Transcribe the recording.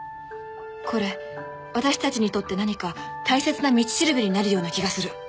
これ私たちにとって何か大切な道しるべになるような気がする。